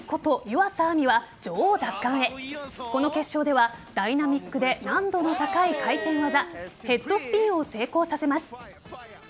湯浅亜実は女王奪還へこの決勝ではダイナミックで難度の高い回転技ヘッドスピンを成功させます。